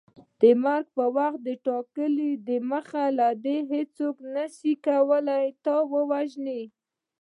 د مرګ وخت ټاکلی دی مخکي له دې هیڅوک نسي کولی تاسو ووژني